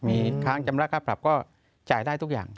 มีค้างจำระค่าปรับก็จ่ายได้ทุกอย่าง